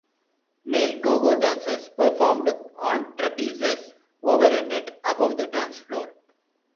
Male go-go dancers performed on trapezes over a net above the dance floor.